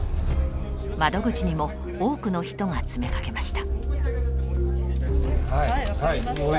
窓口にも多くの人が詰めかけました。